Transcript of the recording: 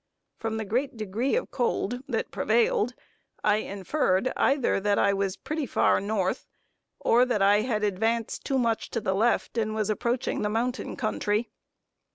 From the great degree of cold that prevailed, I inferred, either that I was pretty far North, or that I had advanced too much to the left, and was approaching the mountain country.